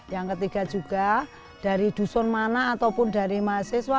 yang ketiga juga dari dusun mana ataupun dari mahasiswa